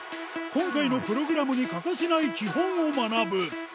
今回のプログラムに欠かせない基本を学ぶ。